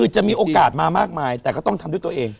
จะมีโอกาสมามากมายแต่ก็ต้องทำด้วยตัวเอง